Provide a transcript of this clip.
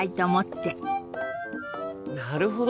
なるほど！